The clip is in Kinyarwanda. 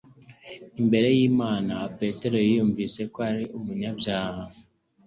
Imbere y'Imana, Petero yiyumvise ko ari umunyabyaha.